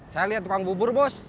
saya lihat tukang bubur bus